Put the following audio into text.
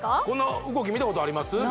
この動き見たことあります？